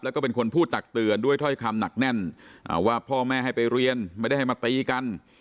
แล้วก็เป็นคนพูดตักเตือนด้วยถ้อยคำหนักแน่นว่าพ่อแม่ให้ไปเรียนไม่ได้ให้มาตีกัน